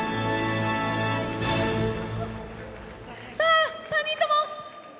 さぁ３人とも。